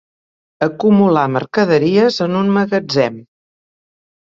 Acumular mercaderies en un magatzem.